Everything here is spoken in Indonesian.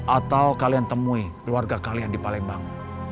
atau kalian temui keluarga kalian di palembang